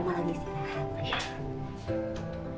mama lagi sedang